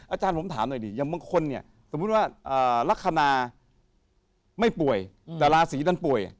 อาจารย์ผมถามหน่อยดีอย่างบางคนเนี่ยสมมุติว่าลักษณะไม่ป่วยแต่ราศีนั้นป่วย